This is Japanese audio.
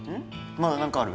まだ何かある？